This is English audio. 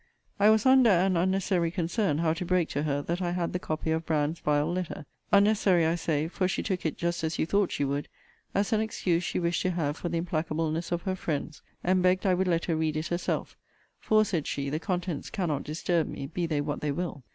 I was under an unnecessary concern, how to break to her that I had the copy of Brand's vile letter: unnecessary, I say; for she took it just as you thought she would, as an excuse she wished to have for the implacableness of her friends; and begged I would let her read it herself; for, said she, the contents cannot disturb me, be they what they will.